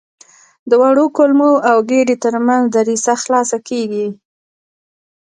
د وړو کولمو او ګیدې تر منځ دریڅه خلاصه کېږي.